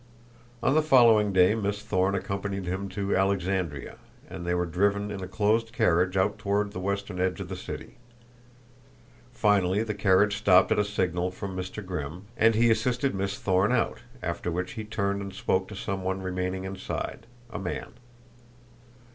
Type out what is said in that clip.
On the following day Miss Thorne accompanied him to Alexandria, and they were driven in a closed carriage out toward the western edge of the city. Finally the carriage stopped at a signal from Mr. Grimm, and he assisted Miss Thorne out, after which he turned and spoke to some one remaining inside a man.